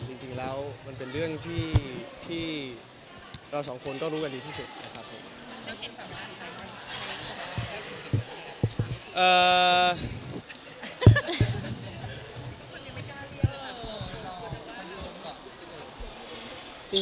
จริงแล้วมันเป็นเรื่องที่เราสองคนก็รู้กันดีที่สุดนะครับผม